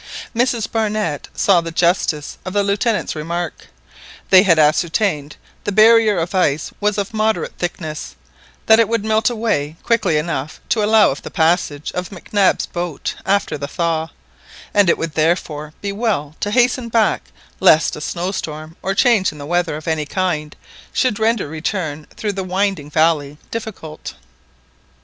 Mrs Barnett saw the justice of the Lieutenant's remark. They had ascertained that the barrier of ice was of moderate thickness, that it would melt away quickly enough to allow of the passage of Mac Nab's boat after the thaw, and it would therefore be well to hasten back lest a snow storm or change in the weather of any kind should render return through the winding valley difficult.